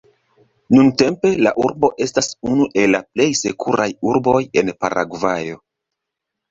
Nuntempe la urbo estas unu el la plej sekuraj urboj en Paragvajo.